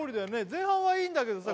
前半はいいんだけどさ